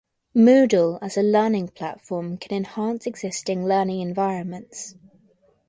Moodle as a learning platform can enhance existing learning environments.